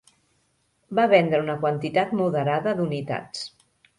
Va vendre una quantitat moderada d'unitats.